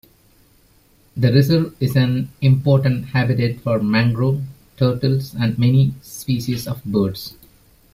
The reserve is an important habitat for mangrove, turtles, and many species of birds.